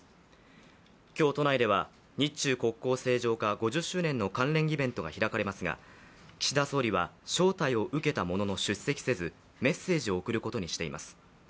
今日、都内では日中国交正常化５０周年の関連イベントが開かれますが岸田総理は招待を受けたものの出席せず、メッセージを送ることにしています。